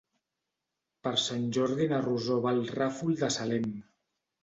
Per Sant Jordi na Rosó va al Ràfol de Salem.